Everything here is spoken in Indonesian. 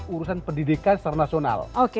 urusan pendidikan secara nasional